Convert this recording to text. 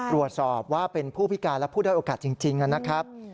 ตรวจสอบว่าเป็นผู้พิการและผู้ด้อยโอกาสจริงนะครับ